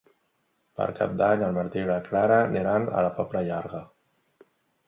Per Cap d'Any en Martí i na Clara aniran a la Pobla Llarga.